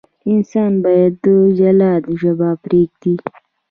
انسان باید د جلاد ژبه پرېږدي.